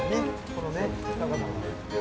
このね高さが。